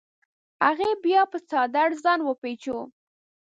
هغې بیا په څادر ځان وپیچوه.